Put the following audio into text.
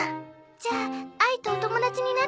じゃああいとお友達になってくれる？